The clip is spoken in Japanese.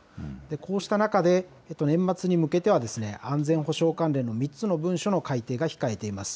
こうした中で、年末に向けては、安全保障関連の３つの文書の改定が控えています。